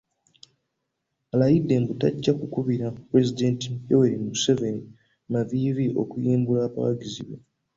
Alayidde nti tajja kukubira Pulezidenti Yoweri Museveni maviivi okuyimbula abawagizi be.